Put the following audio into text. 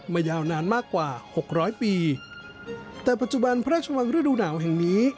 ยาวนานมากกว่าหกร้อยปีแต่ปัจจุบันพระราชวังฤดูหนาวแห่งนี้